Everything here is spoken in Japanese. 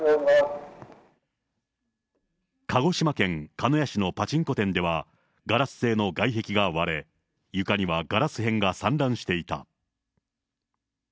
鹿児島県鹿屋市のパチンコ店では、ガラス製の外壁が割れ、床にはガラス片が散乱していた。